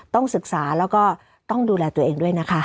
ต้องศึกษาแล้วก็ต้องดูแลตัวเองด้วยนะคะ